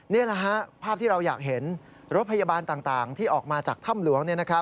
นี่แหละฮะภาพที่เราอยากเห็นรถพยาบาลต่างที่ออกมาจากถ้ำหลวง